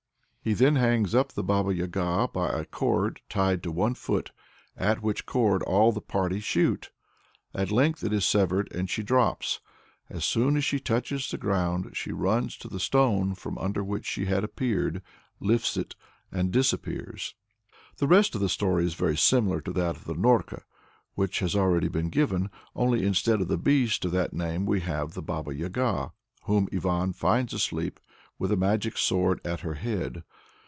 He then hangs up the Baba Yaga by a cord tied to one foot, at which cord all the party shoot. At length it is severed, and she drops. As soon as she touches the ground, she runs to the stone from under which she had appeared, lifts it, and disappears. The rest of the story is very similar to that of "Norka," which has already been given, only instead of the beast of that name we have the Baba Yaga, whom Ivan finds asleep, with a magic sword at her head.